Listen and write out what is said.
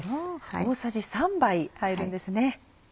大さじ３杯入るんですね。